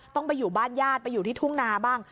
ต้องไปอยู่บ้านญาติไปอยู่ที่ทุ่งนาบ้าง